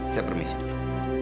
saya permisi dulu